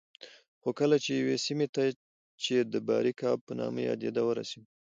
خو کله چې یوې سیمې ته چې د باریکآب په نامه یادېده ورسېدو